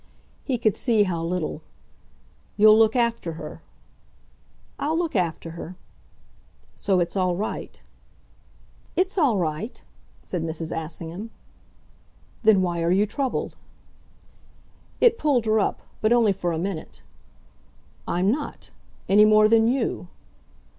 He could see how little. "You'll look after her." "I'll look after her." "So it's all right." "It's all right," said Mrs. Assingham. "Then why are you troubled?" It pulled her up but only for a minute. "I'm not any more than you."